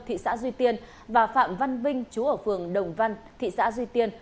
thị xã duy tiên và phạm văn vinh chú ở phường đồng văn thị xã duy tiên